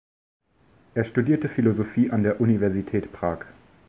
Er studierte Philosophie an der Universität Prag.